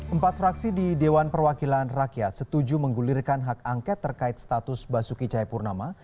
empat fraksi di dewan perwakilan rakyat setuju menggulirkan hak angket terkait status basuki cahayapurnama